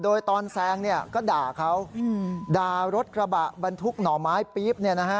โดยตอนแซงก็ด่าเขาด่ารถกระบะบันทุกหน่อไม้ปี๊บ